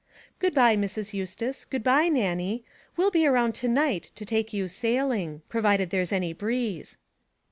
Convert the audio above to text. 'Good bye, Mrs. Eustace, good bye, Nannie; we'll be around to night to take you sailing provided there's any breeze.'